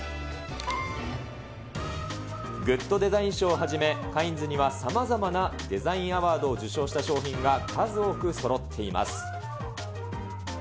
グッドデザイン賞をはじめ、カインズにはさまざまなデザインアワードを受賞した商品が数多くそろっています。